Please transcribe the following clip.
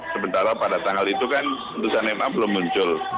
sementara pada tanggal itu kan putusan ma belum muncul